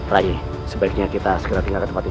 rai sebaiknya kita segera tinggal di tempat ini